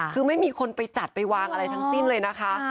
คือไม่มีคนไปจัดไปวางอะไรทั้งสิ้นเลยนะคะ